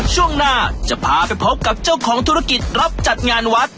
ช่วงหน้าจะพาไปพบกับเจ้าของธุรกิจรับจัดงานวัด